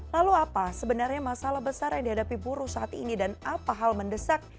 lalu apa sebenarnya masalah besar yang dihadapi buruh saat ini dan apa hal mendesak